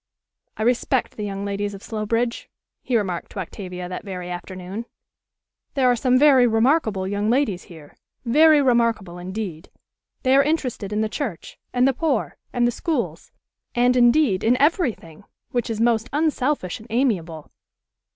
"I respect the young ladies of Slowbridge," he remarked to Octavia that very afternoon. "There are some very remarkable young ladies here, very remarkable indeed. They are interested in the church, and the poor, and the schools, and, indeed, in every thing, which is most unselfish and amiable.